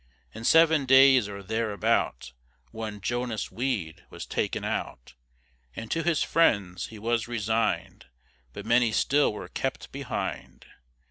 In seven days or thereabout, One Jonas Weed was taken out, And to his friends he was resign'd, But many still were kept behind.